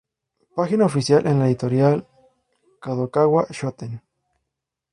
Página oficial en la editorial Kadokawa Shoten